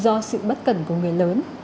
do sự bất cẩn của người lớn